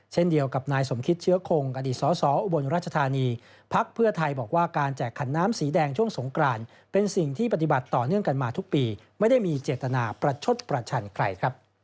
เช่นเดียวกับนายสมคิตเชื้อคงอดีตสออุบลราชธานีพักเพื่อไทยบอกว่าการแจกขันน้ำสีแดงช่วงสงกรานเป็นสิ่งที่ปฏิบัติต่อเนื่องกันมาทุกปีไม่ได้มีเจตนาประชดประชันใครครับ